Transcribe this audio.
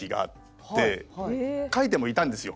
描いてもいたんですよ